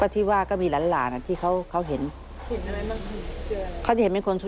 ใช่ภูโสงฟ่าวทรัพย์